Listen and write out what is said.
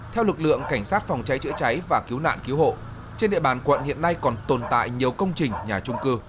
theo lực lượng cảnh sát phòng cháy chữa cháy và cứu nạn cứu hộ trên địa bàn quận hiện nay còn tồn tại nhiều công trình nhà trung cư